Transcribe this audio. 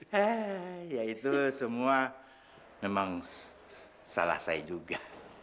ya itu semua memang salah saya juga